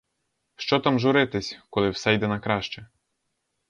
Що там журитись, коли все йде на краще.